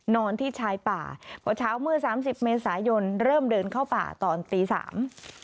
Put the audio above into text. นอนที่ชายป่าพอเช้าเมื่อสามสิบเมษายนเริ่มเดินเข้าป่าตอนตีสาม